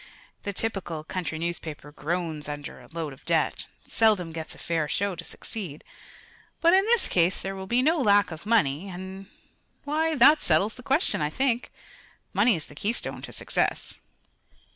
The typical country newspaper groans under a load of debt and seldom gets a fair show to succeed; but in this case there will be no lack of money, and why, that settles the question, I think. Money is the keystone to success."